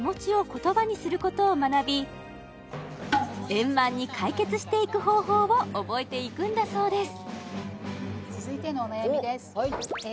円満に解決していく方法を覚えていくんだそうです